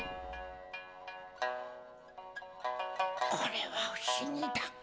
「これは不思議だ。